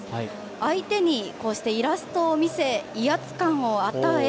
相手にイラストを見せ威圧感を与え